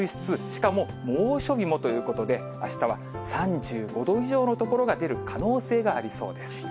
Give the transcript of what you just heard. しかも猛暑日もということで、あしたは３５度以上の所が出る可能性がありそうです。